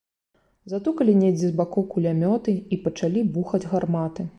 Затукалі недзе з бакоў кулямёты, і пачалі бухаць гарматы.